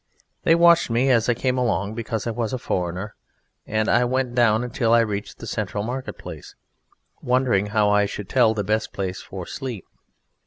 They watched me as I came along because I was a foreigner, and I went down till I reached the central market place, wondering how I should tell the best place for sleep.